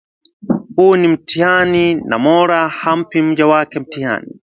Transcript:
huu ni mtihani na Mola hampi mja wake mtihani